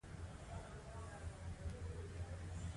خپلوانو د پاچا د دې بخشش په وړاندې مسؤلیت درلود.